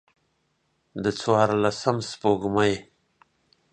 د څوارلسم سپوږمۍ